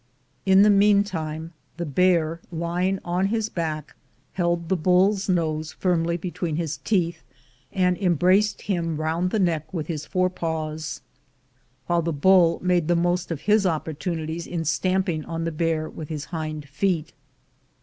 In the meantime, the bear, lying on his back, held the bull's nose firmly between his teeth, and em braced him round the neck with his fore paws, while the bull made the most of his opportunities in stamp ing on the bear with his hind feet.